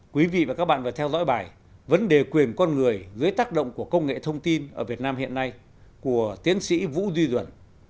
quý vị và các bạn vừa theo dõi bài vấn đề quyền con người dưới tác động của công nghệ thông tin ở việt nam hiện nay của tiến sĩ vũ duy duẩn